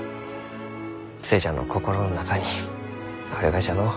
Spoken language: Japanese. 寿恵ちゃんの心の中にあるがじゃのう。